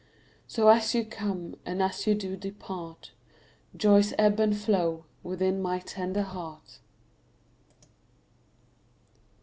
So as you come and as you do depart, Joys ebb and flow within my tender heart.